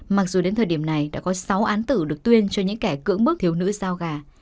mặc dù đến thời điểm này đã có sáu án tử được tuyên cho những kẻ cưỡng bức thiếu nữ giao gà